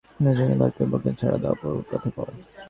ওসব বাজে বুকনি ছেড়ে দাও, প্রভুর কথা কও।